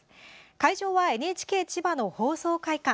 会場はＮＨＫ千葉の放送会館。